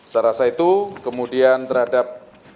secara saya itu kemudian terhadap